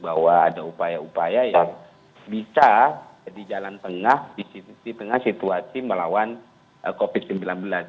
bahwa ada upaya upaya yang bisa jadi jalan tengah di tengah situasi melawan covid sembilan belas